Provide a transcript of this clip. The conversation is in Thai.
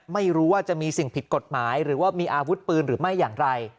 ไม่รู้ว่าจะมีสิ่งผิดกฎหมายหรือว่ามีอาวุธปืนหรือไม่อย่างไร